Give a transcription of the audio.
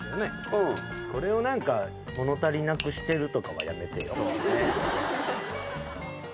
うんこれを何か物足りなくしてるとかはやめてよそうね